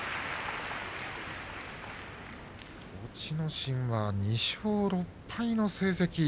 心は２勝６敗の成績。